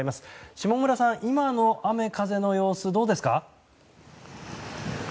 下村さん、今の雨風の様子どうですか？